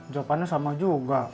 jawabannya sama juga